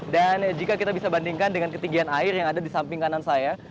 dan jika kita bisa bandingkan dengan ketinggian air yang ada di samping kanan saya